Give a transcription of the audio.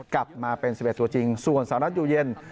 กลับมาเป็น๑๑ตัวจริงส่วนสหรัฐอยู่เย็น